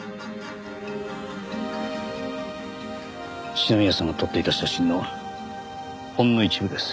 篠宮さんが撮っていた写真のほんの一部です。